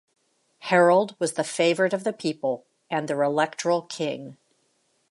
Harold was the favourite of the people, and their electoral king.